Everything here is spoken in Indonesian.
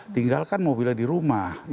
tinggalkan mobilnya di rumah